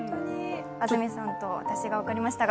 安住さんと私が分かりましたが。